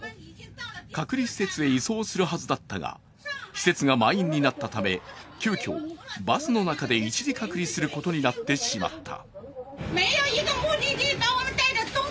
隔離施設へ移送するはずだったが、施設が満員になったため、急きょ、バスの中で一時隔離することになってしまった。